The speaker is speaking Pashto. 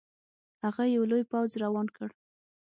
هغه یو لوی پوځ روان کړ.